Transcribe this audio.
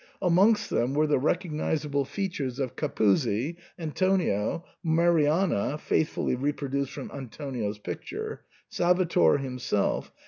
Amongst them were the recognisable features of Capuzzi, Antonio, Marianna (faithfully re produced from Antonio's picture), Salvator himself.